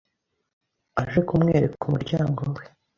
aje kumwereka umuryango we